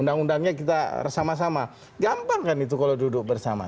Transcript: undang undangnya kita sama sama gampang kan itu kalau duduk bersama